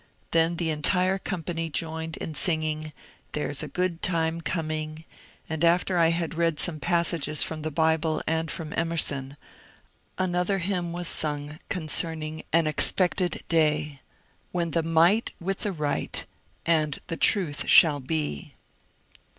Then the entire company joined in singing ^' There 's a good time coming/' and after I had read some passages from the Bible and from Emerson, another hymn was sung concerning an expected day, — When the Might with the Right And the Truth thaU be.